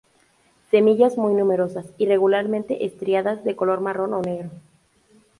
Semillas muy numerosas, irregularmente estriadas, de color marrón o negro.